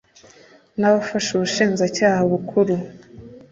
n abafasha b ubushinjacyaha bukuru